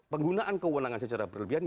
penggunaan kewenangan secara berlebihan